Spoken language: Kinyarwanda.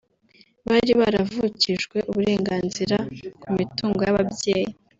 bari baravukijwe uburenganzira ku mitungo y’ababyeyi